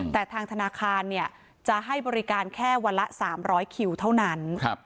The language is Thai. แต่ทางธนาคารจะให้บริการแค่วันละ๓๐๐คิวเท่านั้น